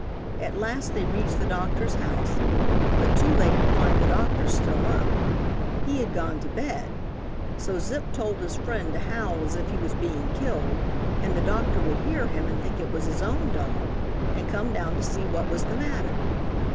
At last they reached the doctor's house, but too late to find the doctor still up. He had gone to bed, so Zip told his friend to howl as if he was being killed, and the doctor would hear him and think it was his own dog, and come down to see what was the matter.